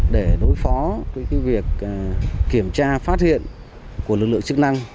để đối phó với việc kiểm tra phát hiện của lực lượng chức năng